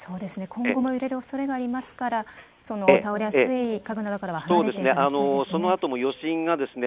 今後も揺れるおそれがありますから倒れやすい家具などからは離れていただきたいですね。